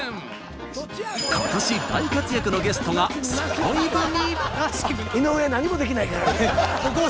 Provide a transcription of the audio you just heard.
今年大活躍のゲストがそろい踏み。